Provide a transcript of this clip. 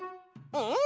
うん。